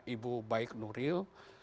ibu baik nuril